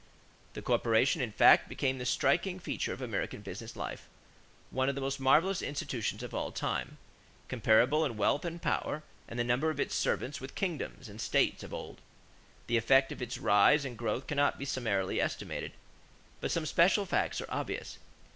= The corporation, in fact, became the striking feature of American business life, one of the most marvelous institutions of all time, comparable in wealth and power and the number of its servants with kingdoms and states of old. The effect of its rise and growth cannot be summarily estimated; but some special facts are obvious.